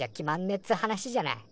っつう話じゃない。